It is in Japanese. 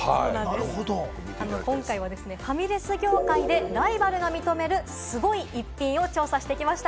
今回はファミレス業界でライバルが認める、すごい一品を調査してきました。